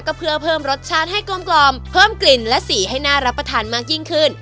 ก็เพื่อเพิ่มรสชาติให้กลมเพิ่มกลิ่นและสีให้น่ารับประทานมากยิ่งขึ้น